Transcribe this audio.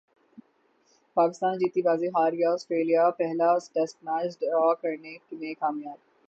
پاکستان جیتی بازی ہار گیا سٹریلیا پہلا ٹیسٹ میچ ڈرا کرنے میں کامیاب